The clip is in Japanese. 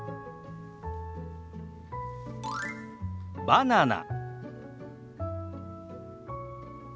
「バナナ」。